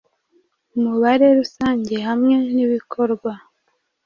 umubare rusange hamwe nibikorwa